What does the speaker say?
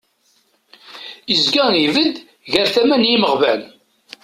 Izga ibedd ɣer tama n yimaɣban.